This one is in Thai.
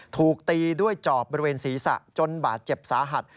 ถูกตีด้วยจอบบริเวณศีรษะจนบาดเจ็บสาหัส